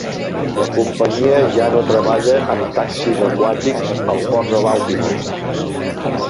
La companyia ja no treballa amb taxis aquàtics al port de Baltimore.